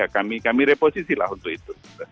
kami reposisi lah untuk itu